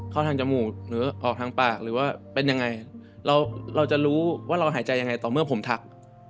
เข้าทางจมูกหรือออกทางปากหรือว่าเป็นยังไงเราเราจะรู้ว่าเราหายใจยังไงต่อเมื่อผมทัก